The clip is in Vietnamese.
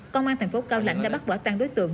công an thành phố cao lãnh đã bắt quả tăng đối tượng